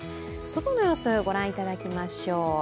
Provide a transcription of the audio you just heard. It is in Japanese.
外の様子、ご覧いただきましょう。